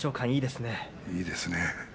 いいですね。